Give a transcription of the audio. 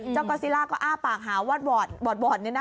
เจ้ากอซิล่าก็อ้างปากหาวอดนะ